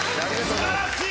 素晴らしい！